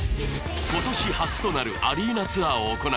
今年初となるアリーナツアーを行い